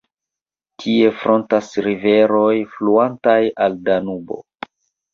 Tie fontas riveroj fluantaj al Danubo.